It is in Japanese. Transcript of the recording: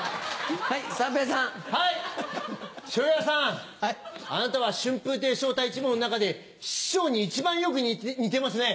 昇也さんあなたは春風亭昇太一門の中で師匠に一番よく似てますね。